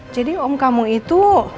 jadi om kamu itu